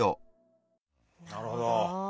なるほど。